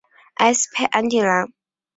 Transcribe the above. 埃斯佩安迪兰。